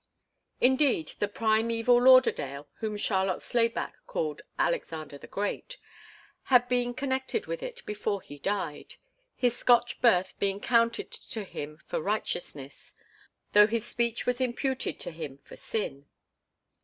Indeed, the primeval Lauderdale, whom Charlotte Slayback called Alexander the Great, had been connected with it before he died, his Scotch birth being counted to him for righteousness, though his speech was imputed to him for sin.